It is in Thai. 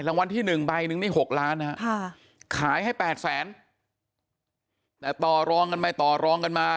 รางวัลที่หนึ่งใบหนึ่งมี๖ล้านขายให้๘แสนแต่ต่อร้องกันไม่ต่อร้องกันมา